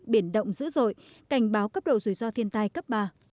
biển động dữ dội cảnh báo cấp độ rủi ro thiên tai cấp ba